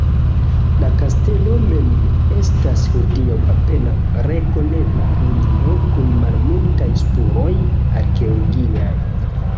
La kastelo mem estas hodiaŭ apenaŭ rekonebla ruino kun malmultaj spuroj arkeologiaj.